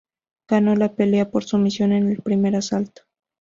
Ganó la pelea por sumisión en el primer asalto.